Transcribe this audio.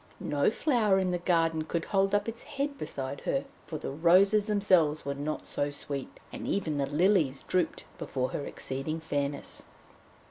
No flower in the garden could hold up its head beside her, for the roses themselves were not so sweet, and even the lilies drooped before her exceeding fairness.